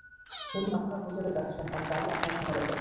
উনি আপনার হোটেলে যাচ্ছেন আর তাই আপনার শোনা দরকার।